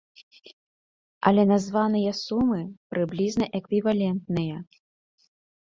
Але названыя сумы прыблізна эквівалентныя.